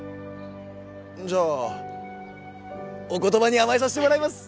んじゃあお言葉に甘えさせてもらいます。